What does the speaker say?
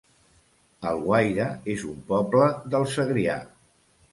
Alguaire es un poble del Segrià